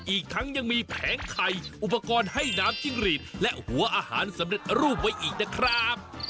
อีกทั้งยังมีแผงไข่อุปกรณ์ให้น้ำจิ้งหรีดและหัวอาหารสำเร็จรูปไว้อีกนะครับ